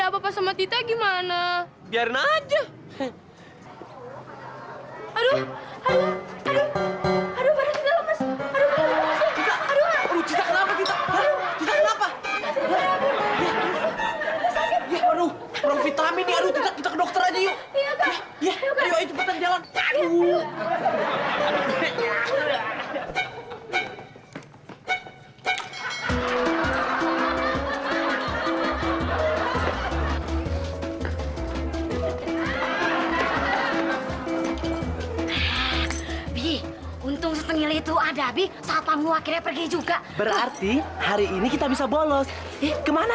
bi untung setengah itu ada bi saat tamu akhirnya pergi juga berarti hari ini kita bisa bolos kemana